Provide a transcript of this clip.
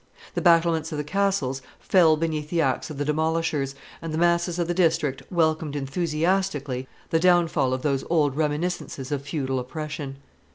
The battlements of the castles fell beneath the axe of the demolishers, and the masses of the district welcomed enthusiastically the downfall of those old reminiscences of feudal oppression.